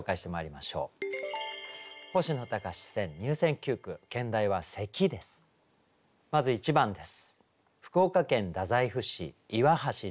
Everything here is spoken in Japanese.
まず１番です。